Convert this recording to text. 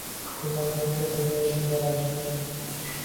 Kunlar ketidan kunlar oʻtib boradi